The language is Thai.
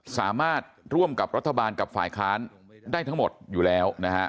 สามารถร่วมกับรัฐบาลกับฝ่ายค้านได้ทั้งหมดอยู่แล้วนะฮะ